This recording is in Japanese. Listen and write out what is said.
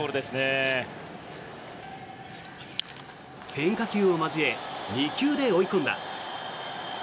変化球を交え２球で追い込んだ。